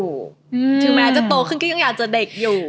ถึงแม้จะโตขึ้นก็ยังอยากจะเด็กอยู่